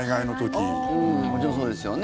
もちろんそうですよね。